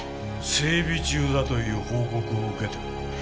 整備中だという報告を受けてる。